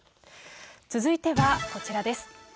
続いてはこちらです。